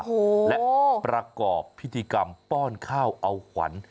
โอ้โหและประกอบพิธีกรรมป้อนข้าวเอาขวัญ